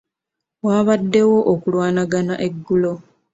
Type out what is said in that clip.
Waabaddewo okulwanagana eggulo.